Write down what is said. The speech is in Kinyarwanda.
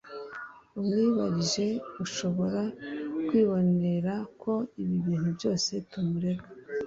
umwibarije ushobora kwibonera ko ibi bintu byose tumurega